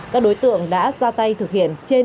các đối tượng đã ra tay thực hiện